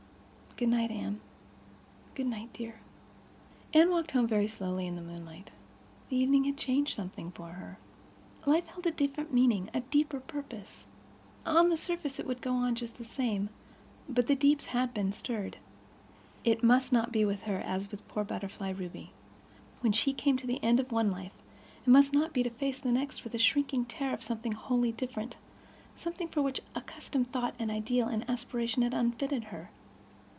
Good night, Anne." "Good night, dear." Anne walked home very slowly in the moonlight. The evening had changed something for her. Life held a different meaning, a deeper purpose. On the surface it would go on just the same; but the deeps had been stirred. It must not be with her as with poor butterfly Ruby. When she came to the end of one life it must not be to face the next with the shrinking terror of something wholly different—something for which accustomed thought and ideal and aspiration had unfitted her.